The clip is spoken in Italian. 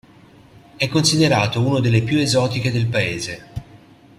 È considerato uno delle più esotiche del paese.